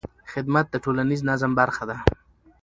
خدمت د ټولنیز نظم برخه ده.